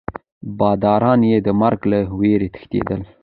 باداران یې د مرګ له ویرې تښتېدل.